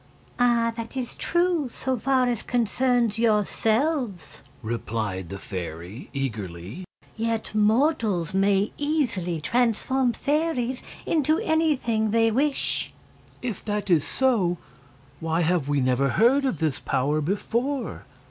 "Ah, that is true, so far as concerns yourselves," replied the fairy, eagerly; "yet mortals may easily transform fairies into anything they wish." "If that is so, why have we never heard of this power before?"